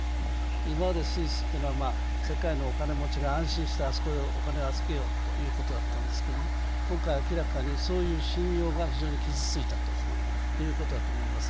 今までスイスというのは世界のお金持ちが安心してあそこへお金を預けようということだったんですが今回、明らかにそういう信用が非常に傷ついたということだと思います。